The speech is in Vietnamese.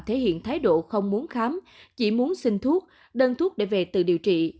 thể hiện thái độ không muốn khám chỉ muốn xin thuốc đơn thuốc để về tự điều trị